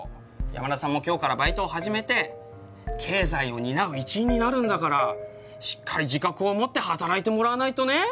山田さんも今日からバイトを始めて経済を担う一員になるんだからしっかり自覚を持って働いてもらわないとね！